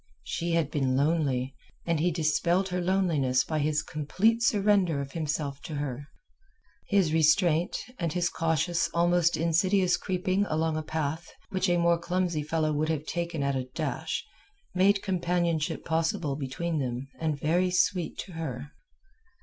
She had been lonely, and he dispelled her loneliness by his complete surrender of himself to her; his restraint and his cautious, almost insidious creeping along a path which a more clumsy fellow would have taken at a dash made companionship possible between them and very sweet to her.